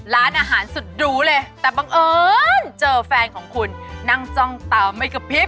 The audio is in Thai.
ร้านอาหารสุดหรูเลยแต่บังเอิญเจอแฟนของคุณนั่งจ้องเตาไม่กระพริบ